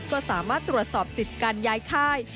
ก็สามารถตรวจสอบสิทธิ์การย้ายค่าย